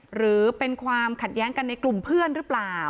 หรือเป็นความขัดแย้งกันในกลุ่มเพื่อนหรือเปล่า